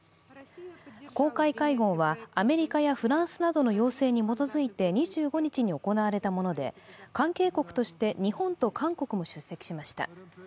公開会合はアメリカやフランスなどの要請に基づいて、２５日に行われたもので、関係国として日本と韓国も出席しました。